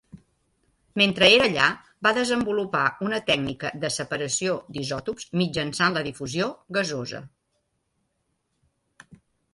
Mentre era allà, va desenvolupar una tècnica de separació d'isòtops mitjançant la difusió gasosa.